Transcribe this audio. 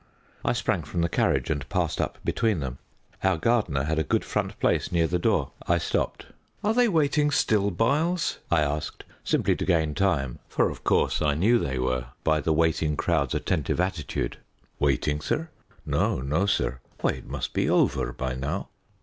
I sprang from the carriage and passed up between them. Our gardener had a good front place near the door. I stopped. "Are they waiting still, Byles?" I asked, simply to gain time, for of course I knew they were by the waiting crowd's attentive attitude. "Waiting, sir? No, no, sir; why, it must be over by now."